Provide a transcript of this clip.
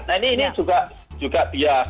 nah ini juga bias